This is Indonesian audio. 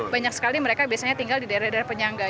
banyak sekali mereka biasanya tinggal di daerah daerah penyangga